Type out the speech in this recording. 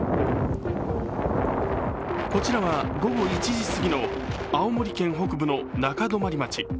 こちらは午後１時すぎの青森県北部の中泊町。